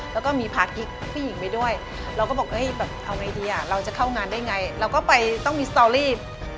แล้วก็มีพากิ๊กผู้หญิงไปด้วยเราก็บอกแบบเอาไงดีอ่ะเราจะเข้างานได้ไงเราก็ไปต้องมีสตอรี่